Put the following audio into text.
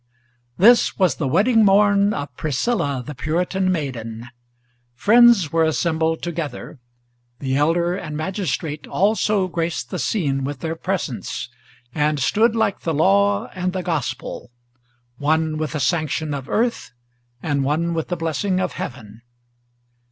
This was the wedding morn of Priscilla the Puritan maiden. Friends were assembled together; the Elder and Magistrate also Graced the scene with their presence, and stood like the Law and the Gospel, One with the sanction of earth and one with the blessing of heaven.